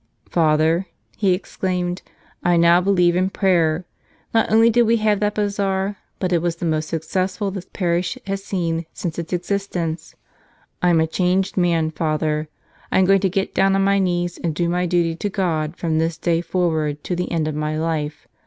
"Father," he exclaimed, "I now believe in prayer. Not only did we have that bazaar, but it was the most successful this parish has seen since its ex¬ istence. I'm a changed man, Father. I'm going to get down on my knees and do my duty to God from this day forward to the end of my life.